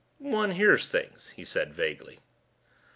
"One hears things," he said vaguely.